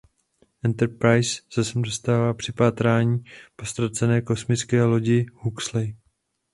Enterprise se sem dostává při pátrání po ztracené kosmické lodi Huxley.